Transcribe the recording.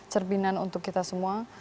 cerminan untuk kita semua